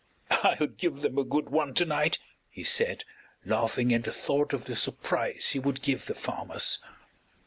"I'll give them a good one to night," he said, laughing at the thought of the surprise he would give the farmers.